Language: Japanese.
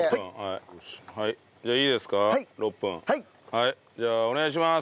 はいじゃあお願いします！